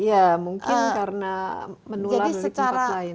ya mungkin karena menular dari tempat lain